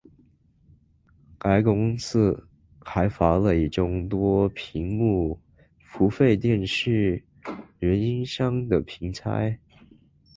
该公司开发了一种多屏幕付费电视运营商的平台。